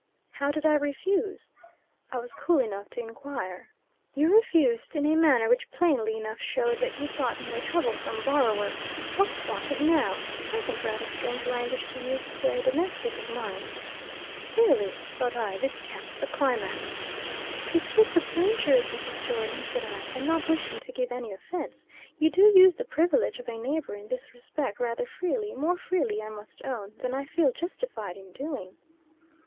"How did I refuse?" I was cool enough to inquire. "You refused in a manner which plainly enough snowed that you thought me a troublesome borrower. 'What's wanted now?' I think rather strange language to use to a domestic of mine." Really, thought I, this caps the climax. "To speak the plain truth, Mrs. Jordon," said I, "and not wishing to give any offence, you do use the privilege of a neighbor in this respect rather freely more freely, I must own, than I feel justified in doing."